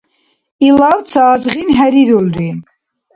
Илав ца азгъин хӀерирулри.